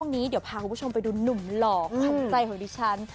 วันนี้เดี๋ยวพาคุณผู้ชมไปดูหนุ่มหล่อขวัญใจของดิฉัน